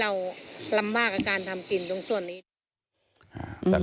เราลำบากกับการทำกินตรงส่วนนี้